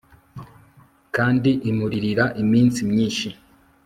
kandi imuririra iminsi myinshi